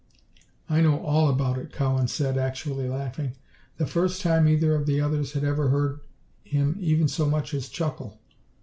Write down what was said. "I know all about it," Cowan said, actually laughing the first time either of the others had ever heard him even so much as chuckle.